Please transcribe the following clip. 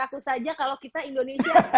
aku saja kalau kita indonesia